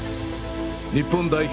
日本代表